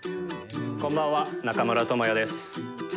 こんばんは、中村倫也です。